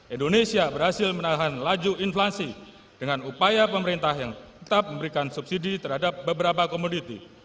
indonesia berhasil menahan laju inflasi dengan upaya pemerintah yang tetap memberikan subsidi terhadap beberapa komoditi